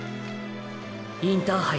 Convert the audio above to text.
インターハイ